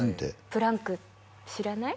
プランク知らない？